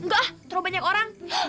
enggak terlalu banyak orang